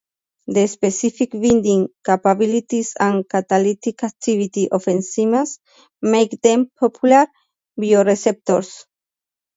The specific binding capabilities and catalytic activity of enzymes make them popular bioreceptors.